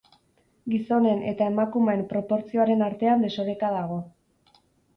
Gizonen eta emakumeen proportzioaren artean desoreka dago.